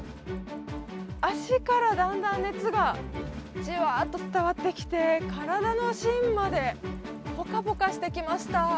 足からだんだん熱がじわっと伝わってきて、体の芯までぽかぽかしてきました。